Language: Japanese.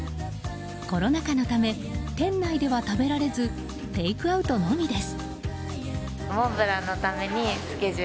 コロナ禍のため店内では食べられずテイクアウトのみです。